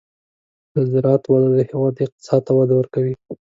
د زراعت وده د هېواد اقتصاد ته وده ورکوي.